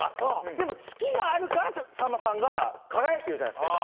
でも月があるからさんまさんが輝いてるじゃないですか今。